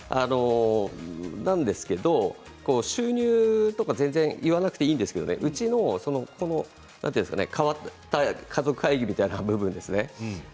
なんですけど収入は全然言わなくていいですけど変わった家族会議みたいな部分ですね。